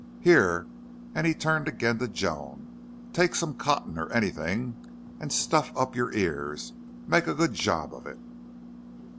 Here," and he turned again to Joan, "take some cotton or anything and stuff up your ears. Make a good job of it."